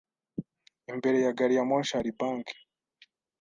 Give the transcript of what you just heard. Imbere ya gariyamoshi hari banki.